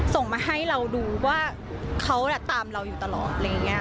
ส่งมาให้เราดูว่าเขาตามเราอยู่ตลอด